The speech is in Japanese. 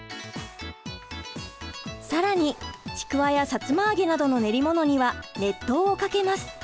更にちくわやさつま揚げなどの練り物には熱湯をかけます。